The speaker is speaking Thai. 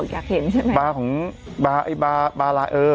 ชีวิตของบาบาปลาลายเออ